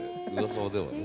噂ではね。